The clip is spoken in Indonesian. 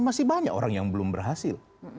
masih banyak orang yang belum berhasil